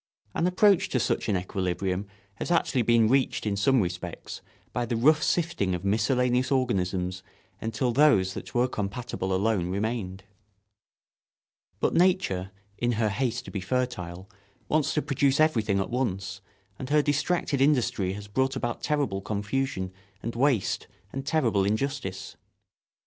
An approach to such an equilibrium has actually been reached in some respects by the rough sifting of miscellaneous organisms until those that were compatible alone remained. But nature, in her haste to be fertile, wants to produce everything at once, and her distracted industry has brought about terrible confusion and waste and terrible injustice.